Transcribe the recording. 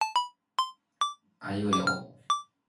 担住支大烟通